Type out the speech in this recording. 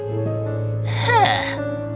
aku butuh bukti yang kuat